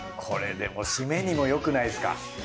これでもシメにもよくないですか？